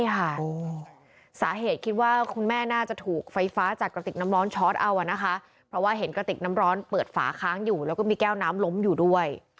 เพราะว่าเห็นกระติกน้ำร้อนเปิดฝาค้างอยู่แล้วก็มีแก้วน้ำล้มอยู่ด้วย